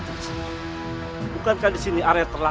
saya akan menyerang mereka